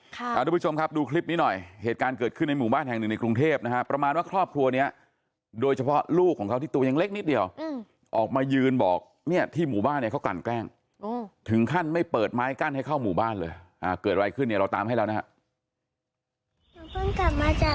คุณผู้ชมครับดูคลิปนี้หน่อยเหตุการณ์เกิดขึ้นในหมู่บ้านแห่งหนึ่งในกรุงเทพนะฮะประมาณว่าครอบครัวเนี้ยโดยเฉพาะลูกของเขาที่ตัวยังเล็กนิดเดียวออกมายืนบอกเนี่ยที่หมู่บ้านเนี่ยเขากลั่นแกล้งถึงขั้นไม่เปิดไม้กั้นให้เข้าหมู่บ้านเลยเกิดอะไรขึ้นเนี่ยเราตามให้แล้วนะฮะ